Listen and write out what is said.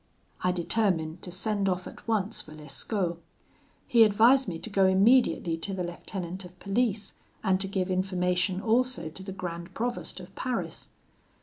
"I determined to send off at once for Lescaut. He advised me to go immediately to the lieutenant of police, and to give information also to the Grand Provost of Paris.